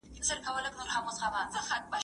زه پرون سیر وکړ؟